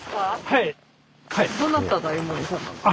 はい。